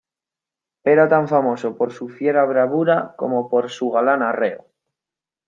era tan famoso por su fiera bravura como por su galán arreo.